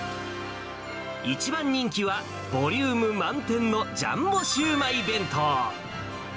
一番人気は、ボリューム満点のジャンボ焼売弁当。